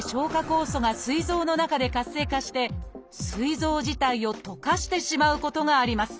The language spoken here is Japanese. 酵素がすい臓の中で活性化してすい臓自体を溶かしてしまうことがあります。